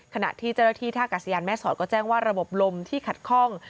ขณะที่เจ้าหน้าที่ท่ากาศยานแม่สอดก็แจ้งว่าระบบลมที่ขัดข้อง